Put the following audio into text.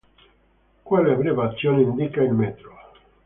Quale abbreviazione, indica il metro.